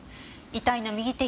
遺体の右手